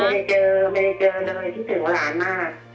ไม่ได้เจอไม่ได้เจออะไรที่ถึงหลานมาก